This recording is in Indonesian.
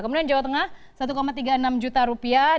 kemudian jawa tengah satu tiga puluh enam juta rupiah